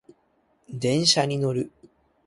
電車に乗る